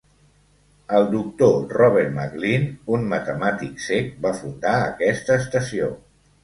El Doctor Robert McLean, un matemàtic cec, va fundar aquesta estació.